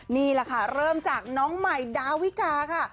นี่แหละค่ะเริ่มจากน้องใหม่ดาวิกาค่ะ